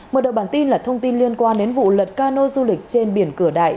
mở đầu bản tin là thông tin liên quan đến vụ lật cano du lịch trên biển cửa đại